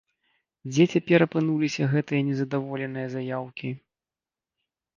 Дзе цяпер апынуліся гэтыя незадаволеныя заяўкі?